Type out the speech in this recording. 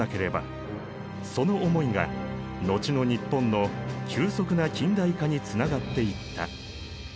その思いが後の日本の急速な近代化につながっていった。